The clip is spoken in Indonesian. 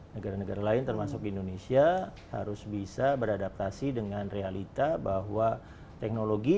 negara negara lain termasuk indonesia harus bisa beradaptasi dengan realita bahwa teknologi